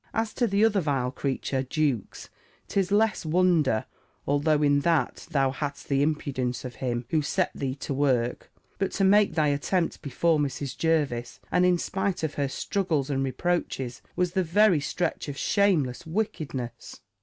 As to the other vile creature, Jewkes, 'tis less wonder, although in that thou hadst the impudence of him who set thee to work: but to make thy attempt before Mrs. Jervis, and in spite of her struggles and reproaches, was the very stretch of shameless wickedness."